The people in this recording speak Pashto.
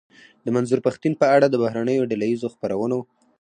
د منظور پښتين په اړه د بهرنيو ډله ايزو خپرونو.